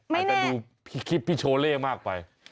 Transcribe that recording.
อาจจะดูคลิปพี่โชเล่มากไป